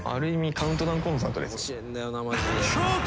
カウントダウンコンサートです